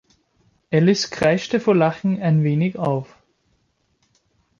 Alice kreischte vor Lachen ein wenig auf.